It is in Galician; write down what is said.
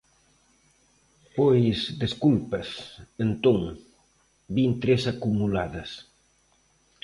Pois desculpas, entón; vin tres acumuladas.